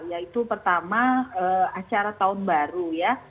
yaitu pertama acara tahun baru ya